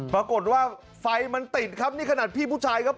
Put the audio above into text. ปรากฏว่าไฟมันติดครับนี่ขนาดพี่ผู้ชายครับ